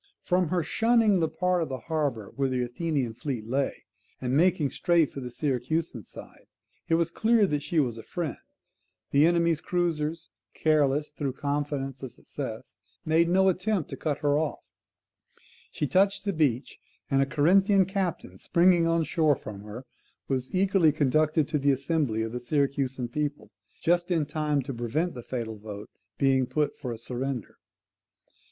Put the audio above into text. From her shunning the part of the harbour where the Athenian fleet lay, and making straight for the Syracusan side, it was clear that she was a friend; the enemy's cruisers, careless through confidence of success, made no attempt to cut her off; she touched the beach, and a Corinthian captain springing on shore from her, was eagerly conducted to the assembly of the Syracusan people, just in time to prevent the fatal vote being put for a surrender.